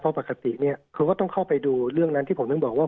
เพราะปกติเนี่ยคือก็ต้องเข้าไปดูเรื่องนั้นที่ผมถึงบอกว่า